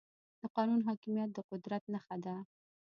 د قانون حاکميت د قدرت نښه ده.